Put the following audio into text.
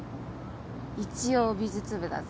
一応美術部だぜ。